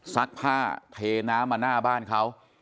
ซักผ้าเทน้ำมาหน้าบ้านเขา